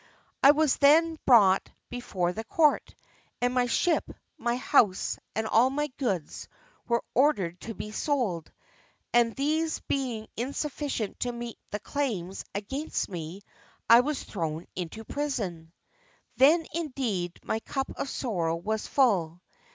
I was then brought before the court, and my ship, my house, and all my goods, were ordered to be sold, and these being insufficient to meet the claims against me, I was thrown into prison. Then, indeed, my cup of sorrow was full.